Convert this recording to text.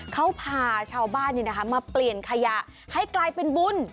เขาพาชาวบ้านมาเปลี่ยนขยะให้กลายเป็นบุญ